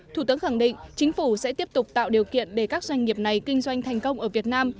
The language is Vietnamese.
thủ tướng khẳng định chính phủ sẽ tiếp tục tạo điều kiện để các doanh nghiệp này kinh doanh thành công ở việt nam